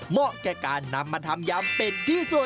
เหมาะแก่การนำมาทำยำเป็ดที่สุด